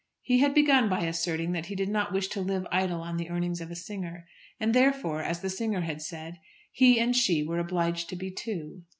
He had begun by asserting that he did not wish to live idle on the earnings of a singer; and, therefore, as the singer had said, "he and she were obliged to be two."